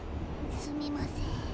すみません。